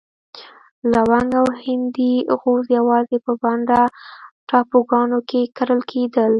لونګ او هندي غوز یوازې په بانډا ټاپوګانو کې کرل کېدل.